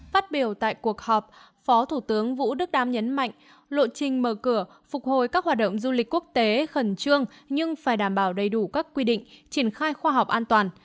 phát biểu tại cuộc họp phó thủ tướng vũ đức đam nhấn mạnh lộ trình mở cửa phục hồi các hoạt động du lịch quốc tế khẩn trương nhưng phải đảm bảo đầy đủ các quy định triển khai khoa học an toàn